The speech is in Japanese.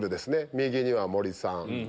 右には森さん。